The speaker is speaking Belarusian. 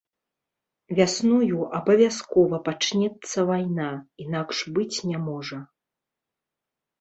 Вясною абавязкова пачнецца вайна, інакш быць не можа.